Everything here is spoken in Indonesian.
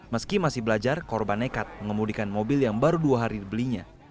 meski masih belajar korban nekat mengemudikan mobil yang baru dua hari dibelinya